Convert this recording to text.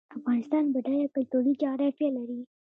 افغانستان بډایه کلتوري جغرافیه لري